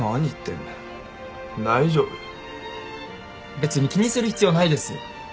別に気にする必要ないです。